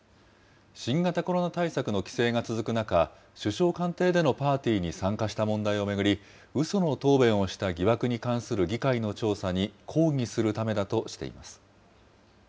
新型コロナ対策の規制が続く中、首相官邸でのパーティーに参加した問題を巡り、うその答弁をした疑惑に関する議会の調査に抗議するためだとしています。